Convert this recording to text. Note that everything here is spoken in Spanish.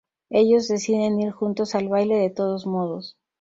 Ellos deciden ir juntos al baile de todos modos.